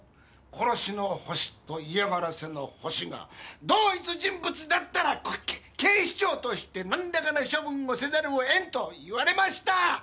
殺しのホシと嫌がらせのホシが同一人物だったら警視庁として何らかの処分をせざるを得ん」と言われました！